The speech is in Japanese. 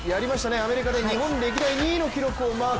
アメリカで日本歴代２位の記録をマーク。